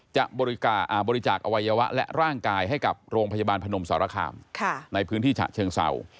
จะบริจาคอวัยวะและร่างกายให้กับโรงพยาบาลพนมสารคามในพื้นที่ฉะเชิงเศร้า